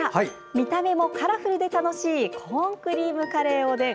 見た目もカラフルで楽しいコーンクリームカレーおでん。